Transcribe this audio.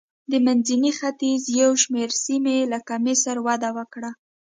د منځني ختیځ یو شمېر سیمې لکه مصر وده وکړه.